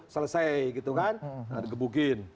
selesai gitu kan ada gebukin